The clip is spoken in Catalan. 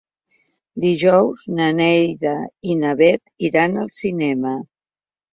Dijous na Neida i na Bet iran al cinema.